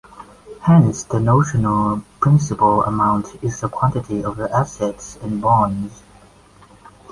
Hence the notional principal amount is the quantity of the assets and bonds.